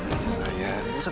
kamu tenang aja sayang